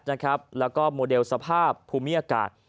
แล้วก็โมเดลสภาพภูมิอากาศ